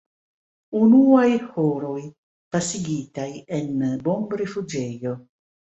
Unuaj horoj, pasigitaj en bombrifuĝejo.